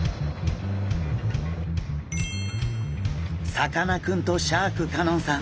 さかなクンとシャーク香音さん